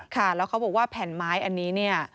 ค่ะแล้วเขาบอกว่าแผ่นไม้อันนี้เนี่ย